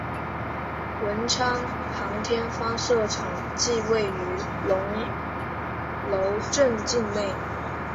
文昌航天发射场即位于龙楼镇境内。